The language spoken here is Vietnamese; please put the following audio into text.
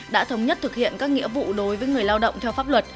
đã thống nhất thực hiện các nghĩa vụ đối với người lao động theo pháp luật